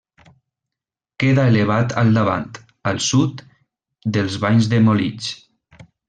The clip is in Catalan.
Queda elevat al davant, al sud, dels Banys de Molig.